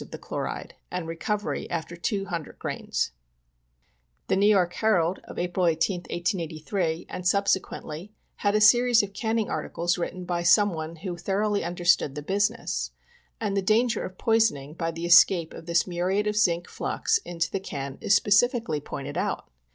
of the chloride,, and recovery after 200 grs " The New York Herald, of April 18, 1883, and subsequently, had a series of canning articles, written by some one who thoroughly understood the business. And the danger of poisoning by the escape of this muriate of zinc flux into the \ can is specifically pointed out.